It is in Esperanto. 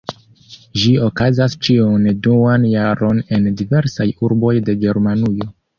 Ĝi okazas ĉiun duan jaron en diversaj urboj de Germanujo.